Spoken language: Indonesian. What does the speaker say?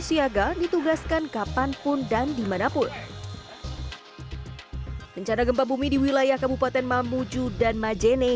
siaga ditugaskan kapanpun dan dimanapun rencana gempa bumi di wilayah kabupaten mamuju dan majene